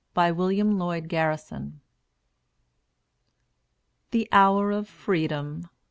BY WILLIAM LLOYD GARRISON. The hour of freedom!